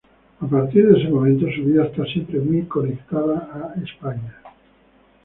A partir de ese momento, su vida estará siempre muy conectada a España.